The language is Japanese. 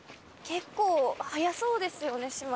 結構早そうですよね閉まるの。